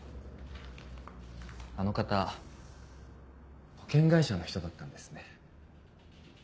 あの方保険会社の人だったんですね。